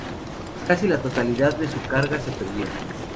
Casi la totalidad de su carga se perdió.